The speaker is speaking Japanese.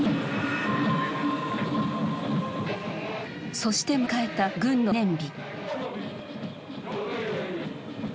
そして迎えた軍の記念日。